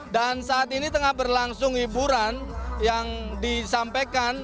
dan saat ini tengah berlangsung hiburan yang disampaikan